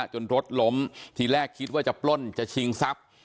จนรถล้มทีแรกคิดว่าจะปล้นจะชิงทรัพย์